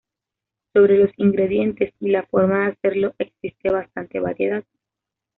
Sobre los ingredientes y la forma de hacerlo existe bastante variedad.